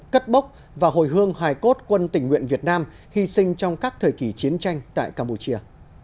cất bốc và hồi hương hài cốt quân tỉnh nguyện việt nam hy sinh trong các thời kỳ chiến tranh tại campuchia